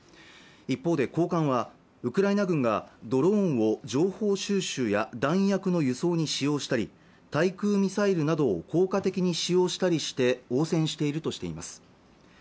一方で高官はウクライナ軍がドローンを情報収集や弾薬の輸送に使用したり対空ミサイルなどを効果的に使用したりして応戦しているとしています